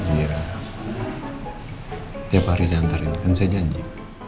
iya tiap hari saya antarin kan saya janji